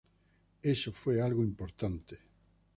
Eso fue algo importante".